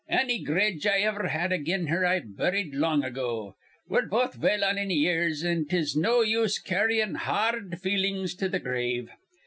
Anny gredge I iver had again her I burrid long ago. We're both well on in years, an' 'tis no use carrying har rd feelin's to th' grave.